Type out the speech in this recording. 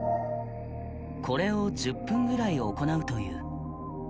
これを１０分ぐらい行うという。